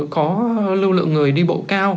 có lưu lượng người đi bộ cao